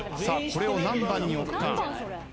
これを何番に置くか。